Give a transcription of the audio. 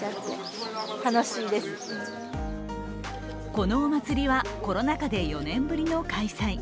このお祭りは、コロナ禍で４年ぶりの開催。